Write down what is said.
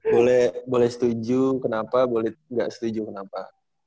boleh boleh setuju kenapa boleh gak setuju kenapa